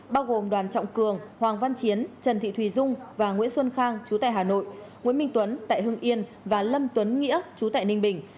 bao gồm đoàn trọng cường hoàng văn chiến trần thị thùy dung và nguyễn xuân khang chú tại hà nội nguyễn minh tuấn tại hưng yên và lâm tuấn nghĩa chú tại ninh bình